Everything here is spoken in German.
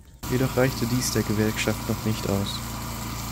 Jedoch reichte dies der Gewerkschaft noch nicht aus.